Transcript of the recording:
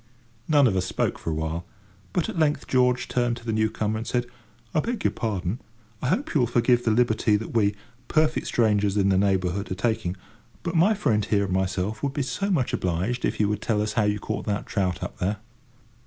None of us spoke for a while; but, at length, George turned to the new comer, and said: "I beg your pardon, I hope you will forgive the liberty that we—perfect strangers in the neighbourhood—are taking, but my friend here and myself would be so much obliged if you would tell us how you caught that trout up there."